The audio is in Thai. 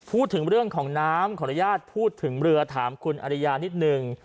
พูดถึงเรื่องของน้ำขออนุญาตพูดถึงเรือถามคุณอริยานิดนึง